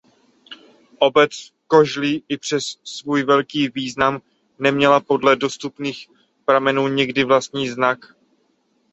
Obec Kožlí i přes svůj velký význam neměla podle dostupných pramenů nikdy vlastní znak.